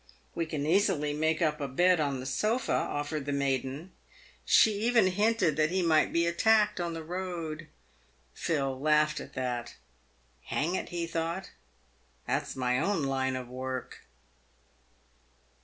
" "We can easily make up a bed on the sofa," offered the maiden. She even hinted that he might be attacked on the road. Phil laughed at that. " Hang it," he thought, " that's my own line of work."